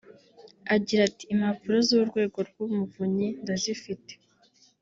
Agira ati “Impapuro z’urwego rw’Umuvunyi ndazifite